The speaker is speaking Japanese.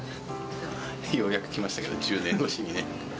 ようやく来ましたけど、１０年越